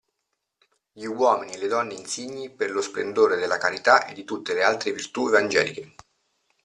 Gli uomini e le donne insigni per lo splendore della carità e di tutte le altre virtù evangeliche.